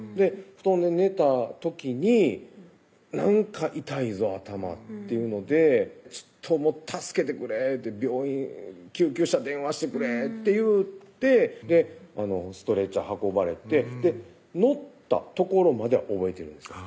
布団で寝た時になんか痛いぞ頭っていうので「ちょっと助けてくれ救急車電話してくれ」って言うてストレッチャー運ばれて乗ったところまでは覚えてるんですよ